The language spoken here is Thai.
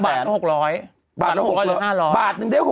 บาท๖๐๐บาท๕๐๐บาทบาทหนึ่งเท่า๖๐๐